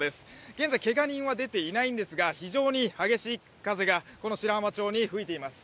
現在、けが人は出ていないんですが非常に激しい風がこの白浜町に吹いています。